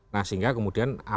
nah sehingga kemudian